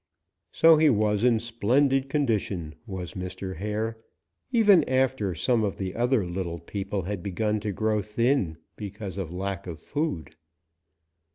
So he was in splendid condition, was Mr. Hare, even after some of the other little people had begun to grow thin because of lack of food.